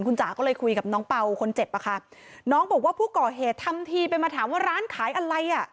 คุณจ๋าก็เลยคุยกับน้องเป่าคนเจ็บอะค่ะน้องบอกว่าผู้ก่อเหตุทำทีเป็นมาถามว่าร้านขายอะไรอ่ะ